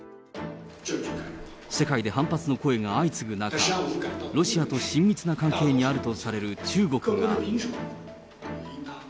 世界で反発の声が相次ぐ中、ロシアと親密な関係にあるとされる中国が。